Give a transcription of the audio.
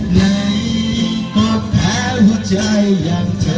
ไหนก็แพ้หัวใจอย่างเธอ